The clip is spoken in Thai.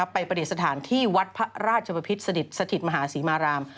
ไปประเด็นสถานที่วัดพระราชปภิษฐ์สถิตมหาศรีมาราม